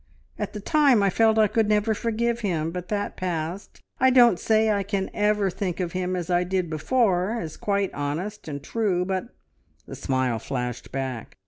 At the time I felt I could never forgive him, but that passed. I don't say I can ever think of him as I did before, as quite honest and true, but " The smile flashed back.